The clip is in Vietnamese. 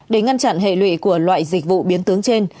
để ngăn chặn hệ lụy của loại dịch vụ biến tướng trên